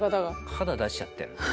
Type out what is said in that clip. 肌出しちゃってる。